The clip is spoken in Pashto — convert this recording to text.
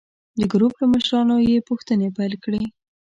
د ګروپ له مشرانو یې پوښتنې پیل کړې.